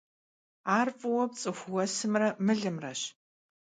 Ar vue f'ıue pts'ıxu vuesımre mılımreş.